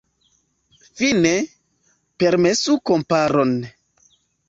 Fine, permesu komparon.